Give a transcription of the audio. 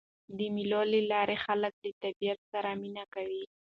د مېلو له لاري خلک له طبیعت سره مینه کوي.